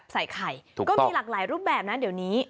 ใส่ไข่ก็มีหลากหลายรูปแบบนะเดี๋ยวนี้